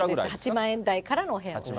８万円台からのお部屋。